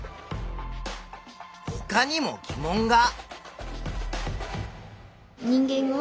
ほかにも疑問が。